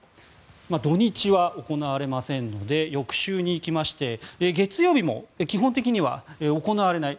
土日は行われませんので翌週に行きまして、月曜日も基本的には行われない